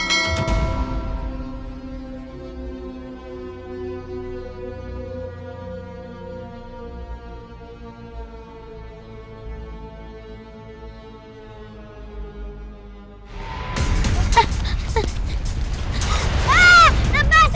nyamuknya banyak banget